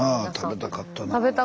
食べたかった。